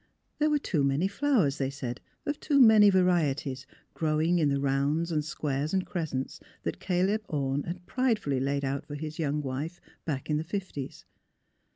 There were too many flowers, they said, of too many varieties growing in the rounds and squares and crescents Caleb Orne had pridefully laid out for his young wife back in the fifties.